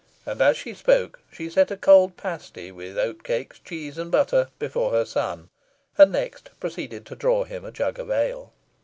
And, as she spoke, she set a cold pasty, with oat cakes, cheese, and butter, before her son, and next proceeded to draw him a jug of ale.